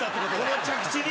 この着地に。